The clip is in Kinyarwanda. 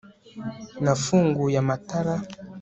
nafunguye amatara